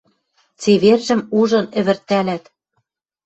Цевержӹм ужын ӹвӹртӓлӓт.